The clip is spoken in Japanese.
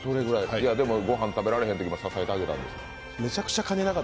でも、ご飯食べられへんときも支えてあげたんですか？